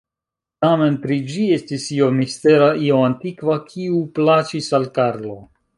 Tamen pri ĝi estis io mistera, io antikva, kiu plaĉis al Karlo.